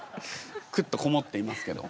くっとこもっていますけど。